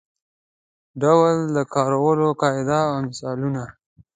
ډول د کارولو قاعده او مثالونه.